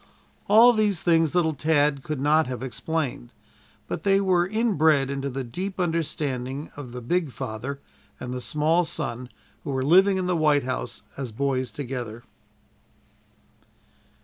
All these things little Tad could not have explained, but they were inbred into the deep understanding of the big father and the small son who were living in the White House as boys together.